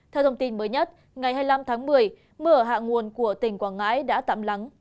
theo thông tin mới nhất ngày hai mươi năm tháng một mươi mưa ở hạ nguồn của tỉnh quảng ngãi đã tạm lắng